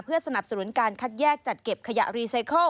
สนับสนุนการคัดแยกจัดเก็บขยะรีไซเคิล